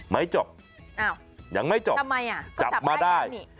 ไม่จบยังไม่จบจับมาได้